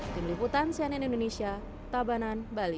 tim liputan cnn indonesia tabanan bali